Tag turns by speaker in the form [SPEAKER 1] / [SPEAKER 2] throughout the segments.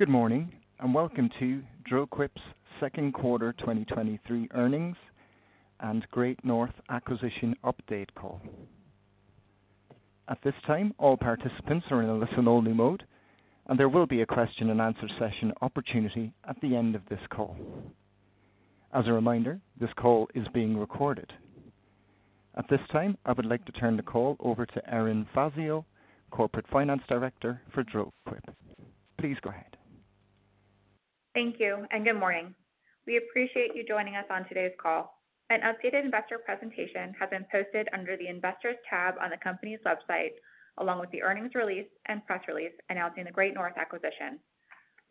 [SPEAKER 1] Good morning. Welcome to Dril-Quip's Q2 2023 earnings and Great North acquisition update call. At this time, all participants are in a listen-only mode. There will be a question-and-answer session opportunity at the end of this call. As a reminder, this call is being recorded. At this time, I would like to turn the call over to Erin Fazio, Corporate Finance Director for Dril-Quip. Please go ahead.
[SPEAKER 2] Thank you. Good morning. We appreciate you joining us on today's call. An updated investor presentation has been posted under the Investors tab on the company's website, along with the earnings release and press release announcing the Great North acquisition.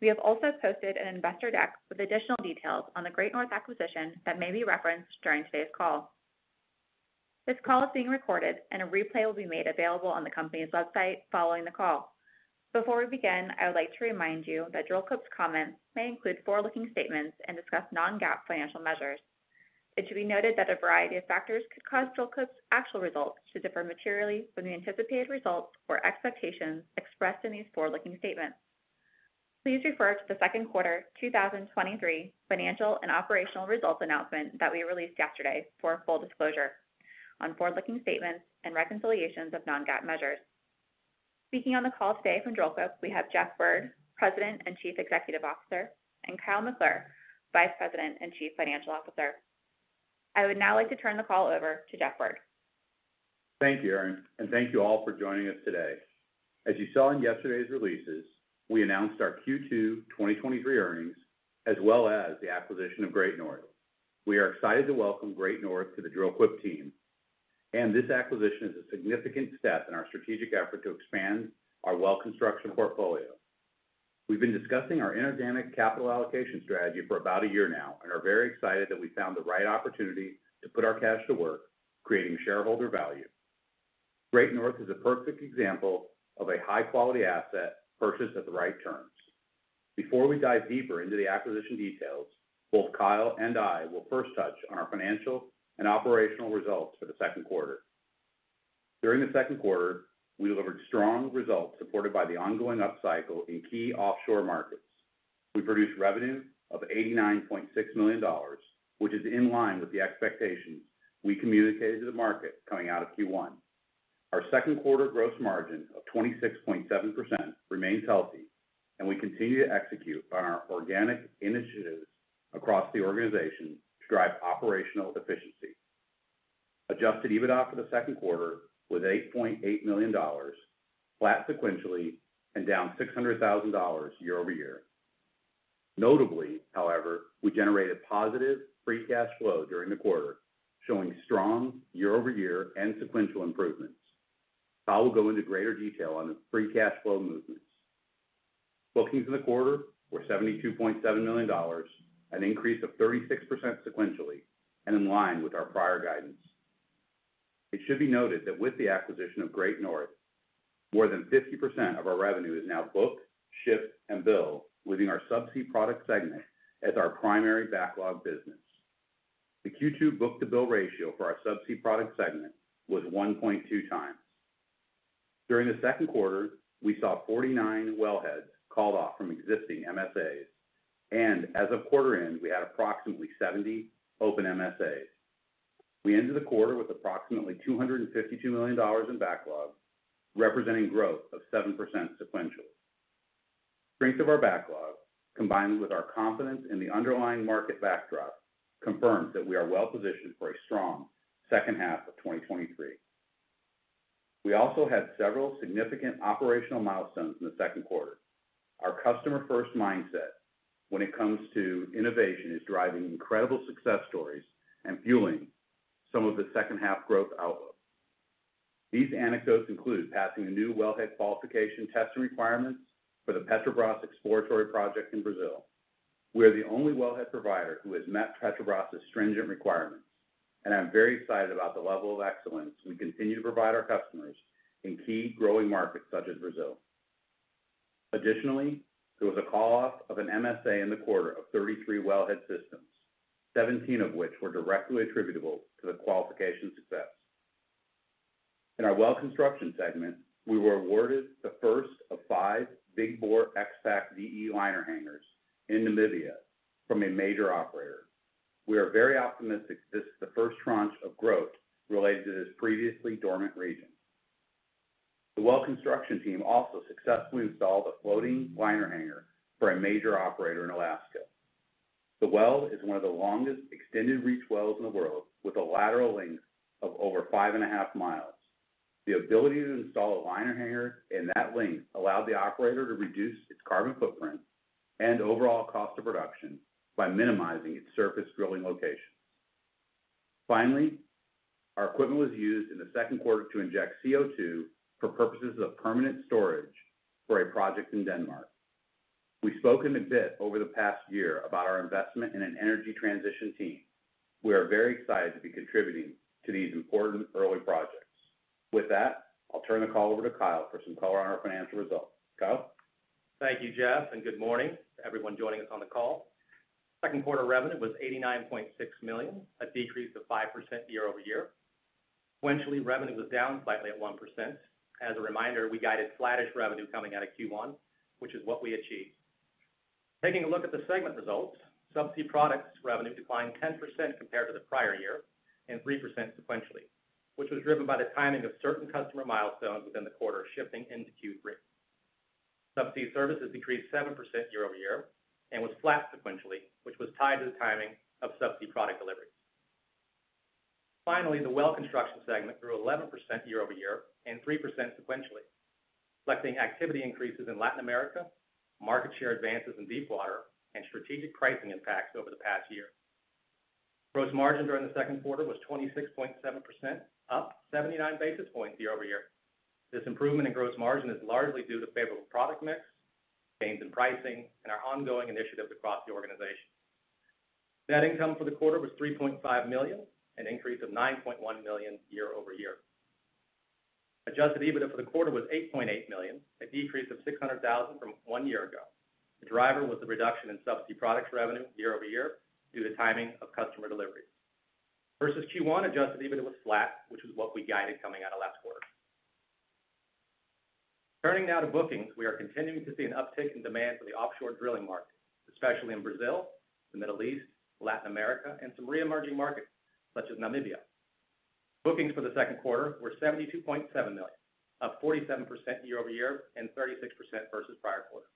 [SPEAKER 2] We have also posted an investor deck with additional details on the Great North acquisition that may be referenced during today's call. This call is being recorded, and a replay will be made available on the company's website following the call. Before we begin, I would like to remind you that Dril-Quip's comments may include forward-looking statements and discuss non-GAAP financial measures. It should be noted that a variety of factors could cause Dril-Quip's actual results to differ materially from the anticipated results or expectations expressed in these forward-looking statements. Please refer to the second quarter 2023 financial and operational results announcement that we released yesterday for full disclosure on forward-looking statements and reconciliations of non-GAAP measures. Speaking on the call today from Dril-Quip, we have Jeff Bird, President and Chief Executive Officer, and Kyle McClure, Vice President and Chief Financial Officer. I would now like to turn the call over to Jeff Bird.
[SPEAKER 3] Thank you, Erin. Thank you all for joining us today. As you saw in yesterday's releases, we announced our Q2 2023 earnings, as well as the acquisition of Great North. We are excited to welcome Great North to the Dril-Quip team. This acquisition is a significant step in our strategic effort to expand our Well Construction portfolio. We've been discussing our inorganic capital allocation strategy for about a year now and are very excited that we found the right opportunity to put our cash to work, creating shareholder value. Great North is a perfect example of a high-quality asset purchased at the right terms. Before we dive deeper into the acquisition details, both Kyle and I will first touch on our financial and operational results for the second quarter. During the second quarter, we delivered strong results supported by the ongoing upcycle in key offshore markets. We produced revenue of $89.6 million, which is in line with the expectations we communicated to the market coming out of Q1. Our second quarter gross margin of 26.7% remains healthy, and we continue to execute on our organic initiatives across the organization to drive operational efficiency. Adjusted EBITDA for the second quarter was $8.8 million, flat sequentially and down $600,000 year-over-year. Notably, however, we generated positive free cash flow during the quarter, showing strong year-over-year and sequential improvements. I will go into greater detail on the free cash flow movements. Bookings in the quarter were $72.7 million, an increase of 36% sequentially and in line with our prior guidance. It should be noted that with the acquisition of Great North, more than 50% of our revenue is now booked, shipped, and billed within our Subsea Products segment as our primary backlog business. The Q2 book-to-bill ratio for our Subsea Products segment was 1.2 times. During the second quarter, we saw 49 wellheads called off from existing MSAs, and as of quarter end, we had approximately 70 open MSAs. We ended the quarter with approximately $252 million in backlog, representing growth of 7% sequentially. Strength of our backlog, combined with our confidence in the underlying market backdrop, confirms that we are well positioned for a strong second half of 2023. We also had several significant operational milestones in the second quarter. Our customer-first mindset when it comes to innovation is driving incredible success stories and fueling some of the second-half growth outlook. These anecdotes include passing the new wellhead qualification testing requirements for the Petrobras exploratory project in Brazil. We are the only wellhead provider who has met Petrobras' stringent requirements, and I'm very excited about the level of excellence we continue to provide our customers in key growing markets such as Brazil. Additionally, there was a call-off of an MSA in the quarter of 33 wellhead systems, 17 of which were directly attributable to the qualification success. In our Well Construction segment, we were awarded the first of five big bore XPak-De liner hangers in Namibia from a major operator. We are very optimistic this is the first tranche of growth related to this previously dormant region. The Well Construction team also successfully installed a floating liner hanger for a major operator in Alaska. The well is one of the longest extended reach wells in the world, with a lateral length of over 5.5 miles. The ability to install a liner hanger in that length allowed the operator to reduce its carbon footprint and overall cost of production by minimizing its surface drilling location. Our equipment was used in the second quarter to inject CO2 for purposes of permanent storage for a project in Denmark. We've spoken a bit over the past year about our investment in an energy transition team. We are very excited to be contributing to these important early projects. With that, I'll turn the call over to Kyle for some color on our financial results. Kyle?
[SPEAKER 4] Thank you, Jeff, good morning to everyone joining us on the call. Second quarter revenue was $89.6 million, a decrease of 5% year-over-year. Sequentially, revenue was down slightly at 1%. As a reminder, we guided flattish revenue coming out of Q1, which is what we achieved. Taking a look at the segment results, Subsea Products revenue declined 10% compared to the prior year, and 3% sequentially, which was driven by the timing of certain customer milestones within the quarter, shifting into Q3. Subsea Services decreased 7% year-over-year and was flat sequentially, which was tied to the timing of Subsea product deliveries. Finally, the Well Construction segment grew 11% year-over-year and 3% sequentially, reflecting activity increases in Latin America, market share advances in deepwater, and strategic pricing impacts over the past year. Gross margin during the second quarter was 26.7%, up 79 basis points year-over-year. This improvement in gross margin is largely due to favorable product mix, gains in pricing, and our ongoing initiatives across the organization. Net income for the quarter was $3.5 million, an increase of $9.1 million year-over-year. Adjusted EBITDA for the quarter was $8.8 million, a decrease of $600,000 from one year ago. The driver was the reduction in Subsea Products revenue year-over-year, due to timing of customer deliveries. Versus Q1, Adjusted EBITDA was flat, which is what we guided coming out of last quarter. Turning now to bookings. We are continuing to see an uptick in demand for the offshore drilling market, especially in Brazil, the Middle East, Latin America, and some re-emerging markets such as Namibia. Bookings for the second quarter were $72.7 million, up 47% year-over-year and 36% versus prior quarter.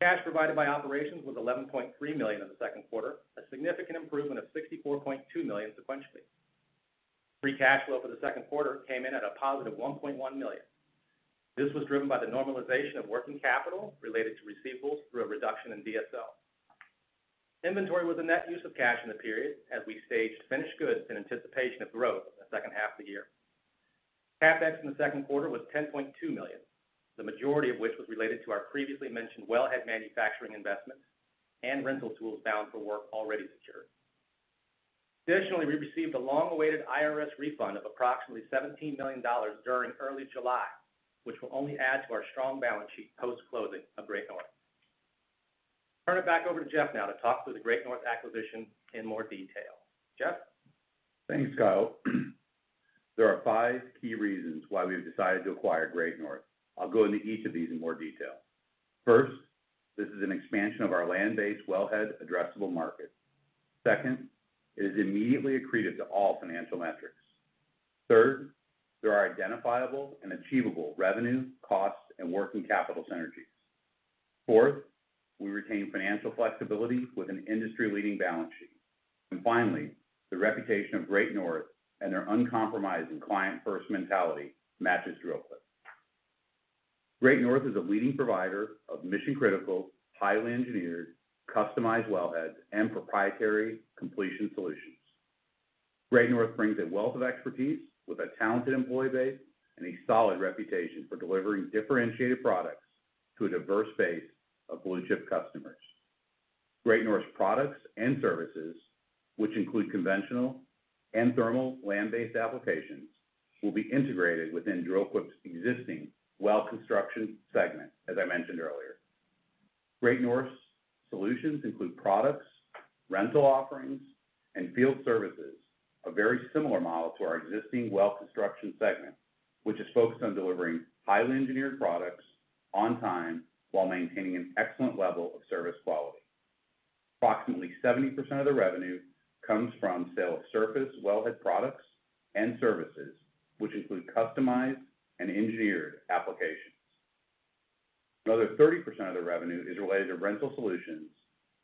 [SPEAKER 4] Cash provided by operations was $11.3 million in the second quarter, a significant improvement of $64.2 million sequentially. Free cash flow for the second quarter came in at a positive $1.1 million. This was driven by the normalization of working capital related to receivables through a reduction in DSO. Inventory was a net use of cash in the period as we staged finished goods in anticipation of growth in the second half of the year. CapEx in the second quarter was $10.2 million, the majority of which was related to our previously mentioned wellhead manufacturing investments and rental tools bound for work already secured. We received a long-awaited IRS refund of approximately $17 million during early July, which will only add to our strong balance sheet post-closing of Great North. Turn it back over to Jeff now to talk through the Great North acquisition in more detail. Jeff?
[SPEAKER 3] Thanks, Kyle. There are five key reasons why we've decided to acquire Great North. I'll go into each of these in more detail. First, this is an expansion of our land-based wellhead addressable market. Second, it is immediately accretive to all financial metrics. Third, there are identifiable and achievable revenue, costs, and working capital synergies. Fourth, we retain financial flexibility with an industry-leading balance sheet. Finally, the reputation of Great North and their uncompromising client-first mentality matches Dril-Quip. Great North is a leading provider of mission-critical, highly engineered, customized wellheads and proprietary completion solutions. Great North brings a wealth of expertise with a talented employee base and a solid reputation for delivering differentiated products to a diverse base of blue-chip customers. Great North's products and services, which include conventional and thermal land-based applications, will be integrated within Dril-Quip's existing Well Construction segment, as I mentioned earlier. Great North's solutions include products, rental offerings, and field services, a very similar model to our existing Well Construction segment, which is focused on delivering highly engineered products on time while maintaining an excellent level of service quality. Approximately 70% of the revenue comes from sale of surface wellhead products and services, which include customized and engineered applications. Another 30% of the revenue is related to rental solutions,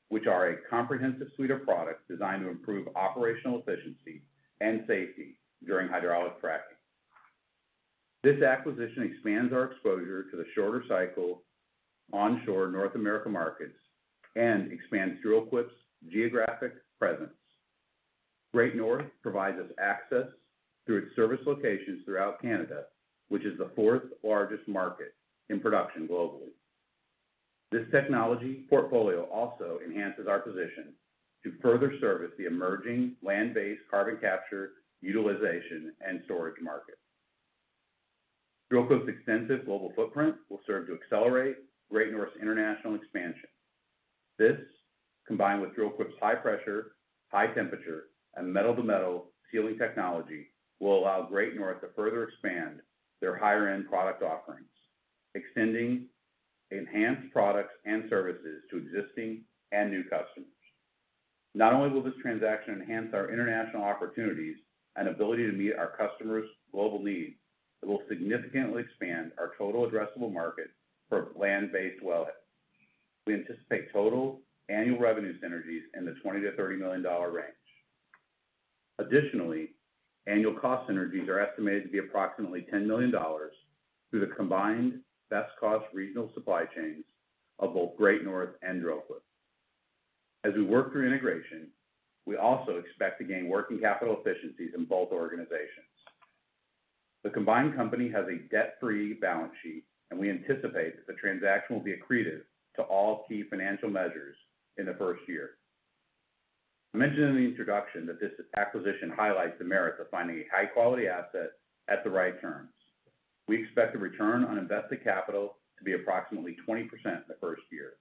[SPEAKER 3] which are a comprehensive suite of products designed to improve operational efficiency and safety during hydraulic fracturing. This acquisition expands our exposure to the shorter cycle onshore North America markets and expands Dril-Quip's geographic presence. Great North provides us access to its service locations throughout Canada, which is the 4th largest market in production globally. This technology portfolio also enhances our position to further service the emerging land-based carbon capture, utilization, and storage market. Dril-Quip's extensive global footprint will serve to accelerate Great North's international expansion. This, combined with Dril-Quip's high pressure, high temperature, and metal-to-metal sealing technology, will allow Great North to further expand their higher-end product offerings, extending enhanced products and services to existing and new customers. Not only will this transaction enhance our international opportunities and ability to meet our customers' global needs, it will significantly expand our total addressable market for land-based wellheads. We anticipate total annual revenue synergies in the $20 million-$30 million range. Additionally, annual cost synergies are estimated to be approximately $10 million through the combined best cost regional supply chains of both Great North and Dril-Quip. As we work through integration, we also expect to gain working capital efficiencies in both organizations. The combined company has a debt-free balance sheet, and we anticipate that the transaction will be accretive to all key financial measures in the first year. I mentioned in the introduction that this acquisition highlights the merit of finding a high-quality asset at the right terms. We expect the return on invested capital to be approximately 20% in the first year.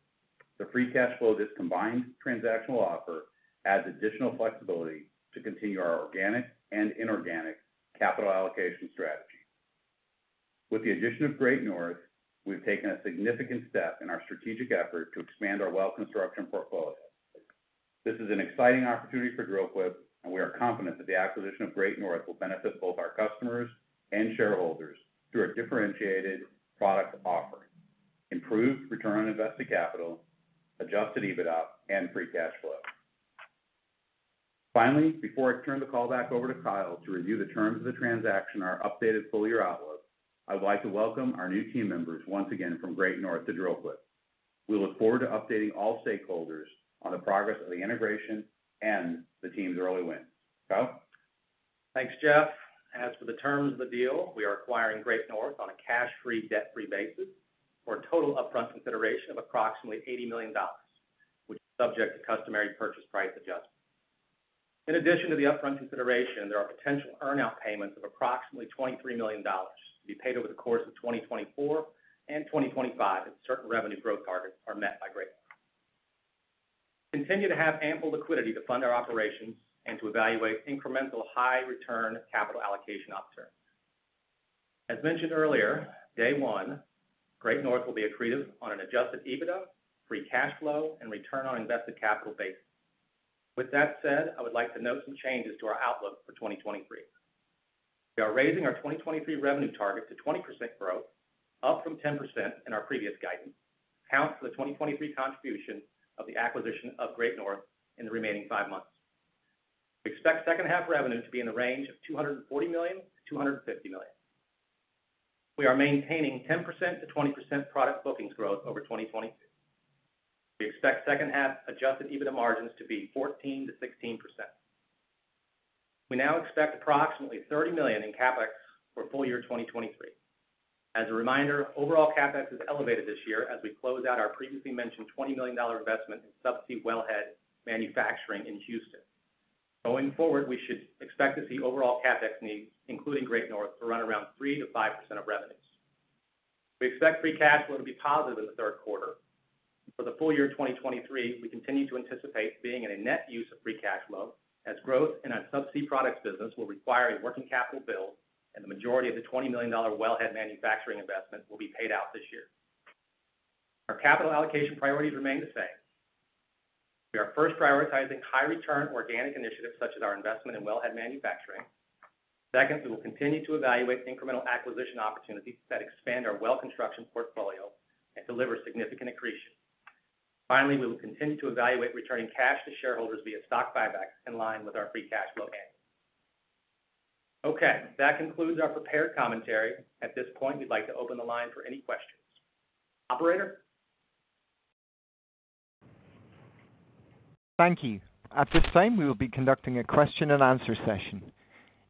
[SPEAKER 3] The free cash flow of this combined transactional offer adds additional flexibility to continue our organic and inorganic capital allocation strategy. With the addition of Great North, we've taken a significant step in our strategic effort to expand our Well Construction portfolio. This is an exciting opportunity for Dril-Quip, and we are confident that the acquisition of Great North will benefit both our customers and shareholders through a differentiated product offering, improved return on invested capital, adjusted EBITDA, and free cash flow. Before I turn the call back over to Kyle to review the terms of the transaction and our updated full-year outlook, I'd like to welcome our new team members once again from Great North to Dril-Quip. We look forward to updating all stakeholders on the progress of the integration and the team's early win. Kyle?
[SPEAKER 4] Thanks, Jeff. As for the terms of the deal, we are acquiring Great North on a cash-free, debt-free basis for a total upfront consideration of approximately $80 million, which is subject to customary purchase price adjustments. In addition to the upfront consideration, there are potential earn-out payments of approximately $23 million to be paid over the course of 2024 and 2025, if certain revenue growth targets are met by Great North. We continue to have ample liquidity to fund our operations and to evaluate incremental high return capital allocation opportunities. As mentioned earlier, day one, Great North will be accretive on an adjusted EBITDA, free cash flow, and return on invested capital basis. With that said, I would like to note some changes to our outlook for 2023. We are raising our 2023 revenue target to 20% growth, up from 10% in our previous guidance, to account for the 2023 contribution of the acquisition of Great North in the remaining five months. We expect second half revenue to be in the range of $240 million-$250 million. We are maintaining 10%-20% product bookings growth over 2022. We expect second half adjusted EBITDA margins to be 14%-16%. We now expect approximately $30 million in CapEx for full year 2023. As a reminder, overall CapEx is elevated this year as we close out our previously mentioned $20 million investment in subsea wellhead manufacturing in Houston. Going forward, we should expect to see overall CapEx needs, including Great North, to run around 3%-5% of revenues. We expect free cash flow to be positive in the third quarter. For the full year 2023, we continue to anticipate being in a net use of free cash flow, as growth in our Subsea Products business will require a working capital build, and the majority of the $20 million wellhead manufacturing investment will be paid out this year. Our capital allocation priorities remain the same. We are first prioritizing high return organic initiatives, such as our investment in wellhead manufacturing. Second, we will continue to evaluate incremental acquisition opportunities that expand our Well Construction portfolio and deliver significant accretion. Finally, we will continue to evaluate returning cash to shareholders via stock buybacks, in line with our free cash flow aims. Okay. That concludes our prepared commentary. At this point, we'd like to open the line for any questions. Operator?
[SPEAKER 1] Thank you. At this time, we will be conducting a question-and-answer session.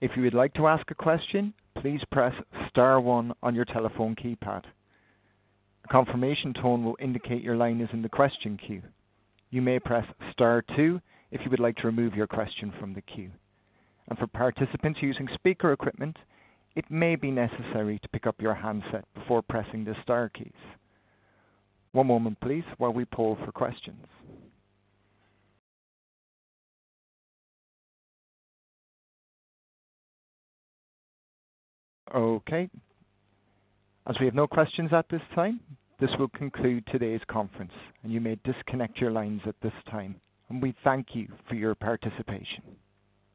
[SPEAKER 1] If you would like to ask a question, please press star one on your telephone keypad. A confirmation tone will indicate your line is in the question queue. You may press star two if you would like to remove your question from the queue. For participants using speaker equipment, it may be necessary to pick up your handset before pressing the star keys. One moment, please, while we poll for questions. Okay, as we have no questions at this time, this will conclude today's conference, and you may disconnect your lines at this time. We thank you for your participation.